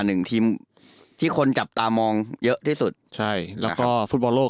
หนึ่งทีมที่คนจับตามองเยอะที่สุดใช่แล้วก็ฟุตบอลโลก